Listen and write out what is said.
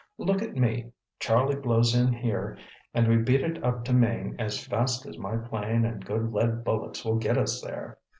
Look at me: Charlie blows in here and we beat it up to Maine as fast as my plane and good lead bullets will get us there.